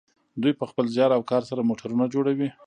دوی په خپل زیار او کار سره موټرونه جوړوي.